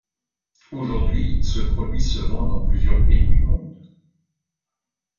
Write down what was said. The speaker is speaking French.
Aujourd'hui, ce produit se vend dans plusieurs pays du monde.